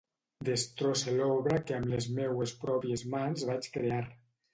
Destrosse l'obra que amb les meues pròpies mans vaig crear.